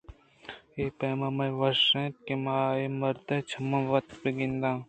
اے پیم مئے واہش اَت کہ ما اےمرد ءَ چمےّ وت بہ گنداں